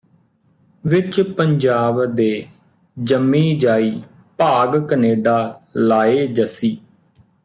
ਵਿੱਚ ਪੰਜਾਬ ਦੇ ਜੰਮੀਂ ਜਾਈ ਭਾਗ ਕਨੇਡਾ ਲਾਏ ਜੱਸੀ